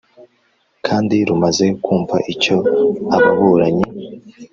Kandi rumaze kumva icyo ababuranyi